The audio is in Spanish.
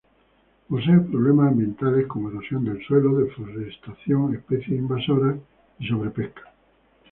Posee problemas ambientales como erosión del suelo, deforestación, especies invasoras y sobrepesca.